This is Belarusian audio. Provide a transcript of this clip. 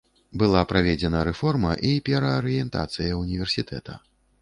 Была праведзена рэформа і пераарыентацыя ўніверсітэта.